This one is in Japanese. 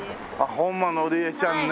本間則恵ちゃんね。